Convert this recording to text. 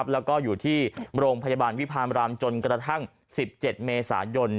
แล้วก็อยู่ที่โรงพยาบาลวิพามรามจนกระทั่ง๑๗เมษายน